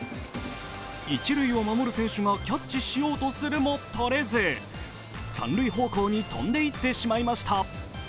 一塁を守る選手がキャッチしようとするも取れず、三塁方向に飛んでいってしまいました。